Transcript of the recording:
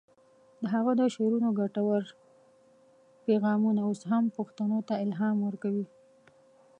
د هغه د شعرونو ګټور پیغامونه اوس هم پښتنو ته الهام ورکوي.